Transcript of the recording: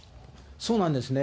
そうなんですね。